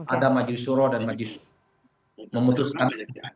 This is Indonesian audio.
ada majlisoro dan majlis memutuskan